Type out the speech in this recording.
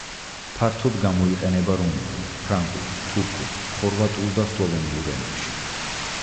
ფართოდ გამოიყენება რუმინულ, ფრანგულ, თურქულ, ხორვატულ და სლოვენიურ ენებში.